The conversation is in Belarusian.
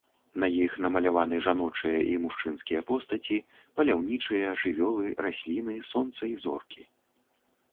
На іх намаляваны жаночыя і мужчынскія постаці, паляўнічыя, жывёлы, расліны, сонца і зоркі.